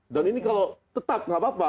dan ini kalau tetap nggak apa apa